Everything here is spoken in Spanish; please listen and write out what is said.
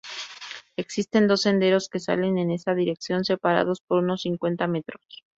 Existen dos senderos que salen en esa dirección, separados por unos cincuenta metros.